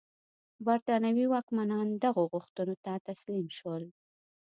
برېټانوي واکمنان دغو غوښتنو ته تسلیم شول.